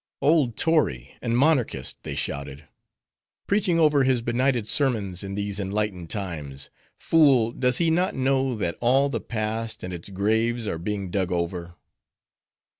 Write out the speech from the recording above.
"Old tory, and monarchist!" they shouted, "Preaching over his benighted sermons in these enlightened times! Fool! does he not know that all the Past and its graves are being dug over?"